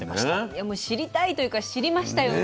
いやもう知りたいというか知りましたよね。